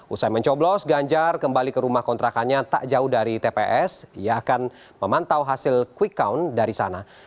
usai mencoblos ganjar kembali ke rumah kontrakannya tak jauh dari tps ia akan memantau hasil quick count dari sana